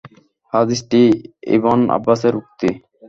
হাদীসটি ইবন আব্বাসের উক্তি।